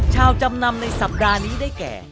จำนำในสัปดาห์นี้ได้แก่